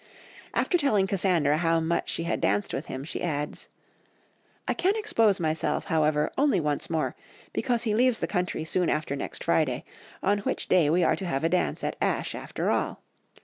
After telling Cassandra how much she had danced with him, she adds, "I can expose myself, however, only once more, because he leaves the country soon after next Friday, on which day we are to have a dance at Ashe after all.